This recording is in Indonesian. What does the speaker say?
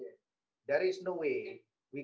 tidak ada cara untuk menangani